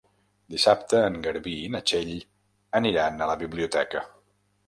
Dissabte en Garbí i na Txell aniran a la biblioteca.